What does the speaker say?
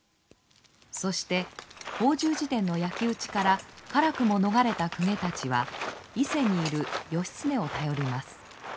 そして法住寺殿の焼き打ちから辛くも逃れた公家たちは伊勢にいる義経を頼ります。